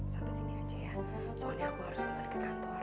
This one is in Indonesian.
sampai sini aja ya soalnya aku harus kembali ke kantor